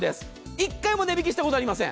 １回も値引きしたことありません